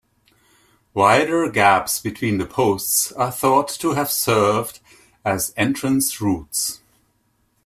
Wider gaps between the posts are thought to have served as entrance routes.